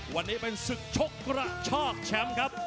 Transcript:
วันนี้เป็นศึกชกกระชากแชมป์ครับ